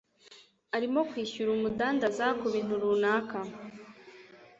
arimo kwishyura umudandaza kubintu runaka.